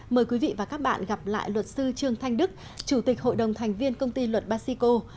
mời quý vị và các bạn gặp lại luật sư trương thanh đức chủ tịch hội đồng thành viên công ty luật basico